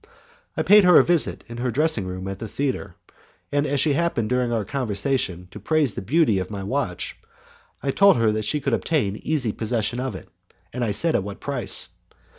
I paid her a visit in her dressing room at the theatre, and as she happened during our conversation to praise the beauty of my watch, I told her that she could easily obtain possession of it, and I said at what price.